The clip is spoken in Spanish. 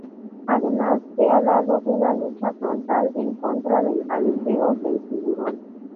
Además se ha dado una lucha frontal en contra del aleteo del tiburón.